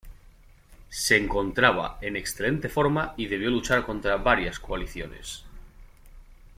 Se encontraba en excelente forma y debió luchar contra varias coaliciones.